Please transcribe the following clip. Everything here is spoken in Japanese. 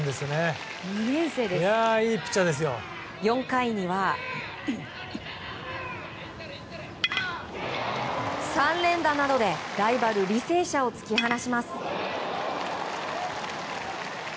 ４回には３連打などでライバル履正社を突き放します。